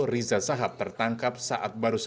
riza sahab tertangkap saat baru saja